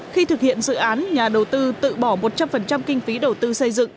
khi thực hiện dự án nhà đầu tư tự bỏ một trăm linh kinh phí đầu tư xây dựng